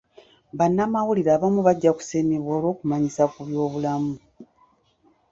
Bannamawulire abamu bajja kusiimibwa olw'okumanyisa ku byobulamu.